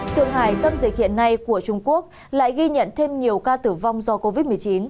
thượng hải tâm dịch hiện nay của trung quốc lại ghi nhận thêm nhiều ca tử vong do covid một mươi chín